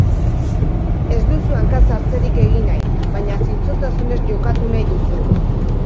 Ez duzu hanka-sartzerik egin nahi, baina zintzotasunez jokatu nahi duzu.